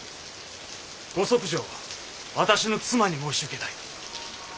御息女を私の妻に申し受けたい。